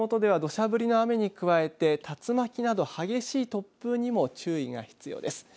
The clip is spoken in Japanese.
こういった雨雲のもとでは土砂降りの雨に加えて、竜巻など激しい突風にも注意が必要です。